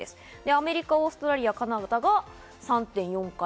アメリカ、オーストラリア、カナダが３．４回。